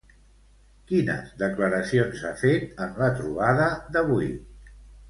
Quines declaracions ha fet en la trobada d'avui?